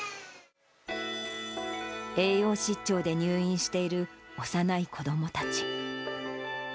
栄養失調で入院している幼い子どもたち。